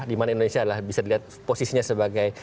di mana indonesia bisa dilihat posisinya sebagai